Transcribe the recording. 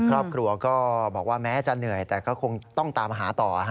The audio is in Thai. ครอบครัวก็บอกว่าแม้จะเหนื่อยแต่ก็คงต้องตามหาต่อ